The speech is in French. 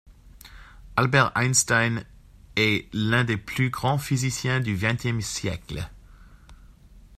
Albert Einstein est l’un des plus grands physiciens du vingtième siècle.